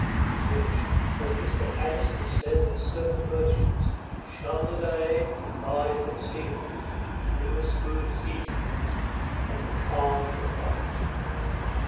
And which, as Mr. Addison says of certain virtues, Shun the day, and lie conceal'd In the smooth seasons and the calms of life.